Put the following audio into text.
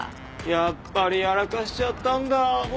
やっぱりやらかしちゃったんだ僕は。